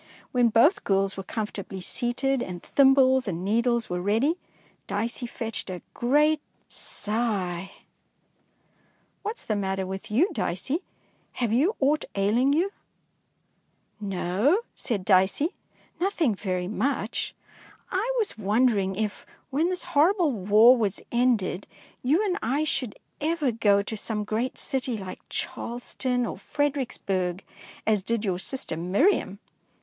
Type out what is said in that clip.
When both girls were comfortably seated and thimbles and needles were ready, Dicey fetched a great sigh. 232 DICEY LANGSTON "What is the matter with you, Dicey? Have you aught ailing you? '' "No,'^ said Dicey, "nothing very much. I was wondering if, when this horrible war was ended, you and I should ever go to some great city like Charleston or Fredericksburg, as did your sister Miriam.